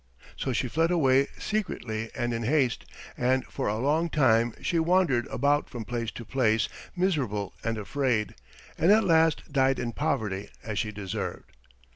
So she fled away secretly and in haste, and for a long time she wandered about from place to place, miserable and afraid, and at last died in poverty as she deserved.